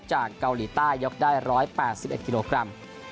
จากเกาหลีใต้ยกได้๑๘๑กิโลกรัม